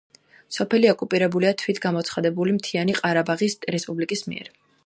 სოფელი ოკუპირებულია თვითგამოცხადებულ მთიანი ყარაბაღის რესპუბლიკის მიერ.